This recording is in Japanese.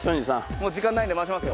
もう時間ないんで回しますよ。